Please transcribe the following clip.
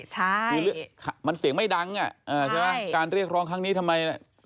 คือมันเสียงไม่ดังอ่ะใช่ไหมการเรียกร้องครั้งนี้ทำไม